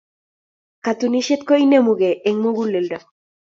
Katunisyet ko inemugei eng muguleldo.